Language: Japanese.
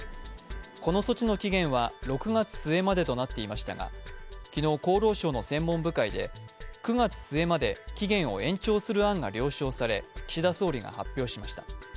この措置の期限は６月末までとなっていましたが、昨日、厚労省の専門部会で９月末まで期限を延長する案が了承され、岸田総理が発表しました。